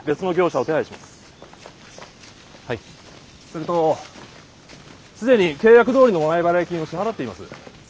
それと既に契約どおりの前払い金を支払っています。